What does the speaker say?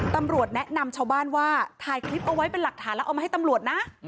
ตำรวจแนะนำชาวบ้านว่าถ่ายคลิปเอาไว้เป็นหลักฐานแล้วเอามาให้ตำรวจนะ